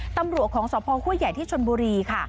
ตำรวจของสมพงศ์ครัวใหญ่ที่ชนบุรีค่ะ